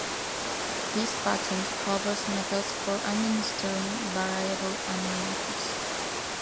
This patent covers methods for administering variable annuities.